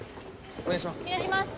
お願いします。